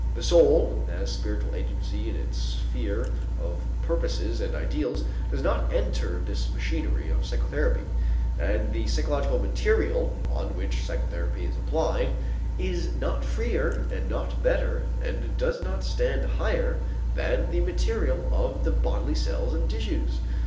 The soul, as spiritual agency in its sphere of purposes and ideals, does not enter the machinery of psychotherapy, and the psychological material on which psychotherapy is applied is not freer and not better and does not stand higher than the material of the bodily cells and tissues.